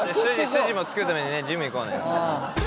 筋もつけるためにねジム行こうね。